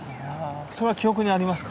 それは記憶にありますか？